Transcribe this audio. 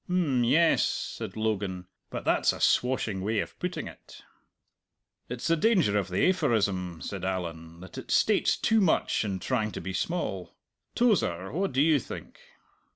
"M'yes," said Logan; "but that's a swashing way of putting it." "It's the danger of the aphorism," said Allan, "that it states too much in trying to be small. Tozer, what do you think?"